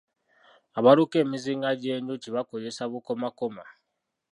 Abaluka emizinga gyenjuki bakozesa bukomakoma.